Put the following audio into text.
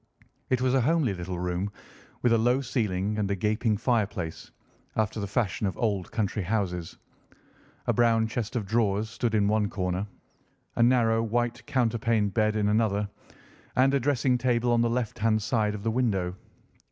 It was a homely little room, with a low ceiling and a gaping fireplace, after the fashion of old country houses. A brown chest of drawers stood in one corner, a narrow white counterpaned bed in another, and a dressing table on the left hand side of the window.